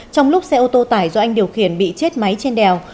trong lúc xe ô tô tải do anh điều khiển bị chết máy trên đèo